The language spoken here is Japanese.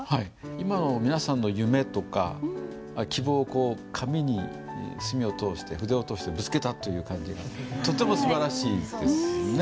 今の皆さんの夢とか希望を紙に墨を通して筆を通してぶつけたという感じがとてもすばらしいですね。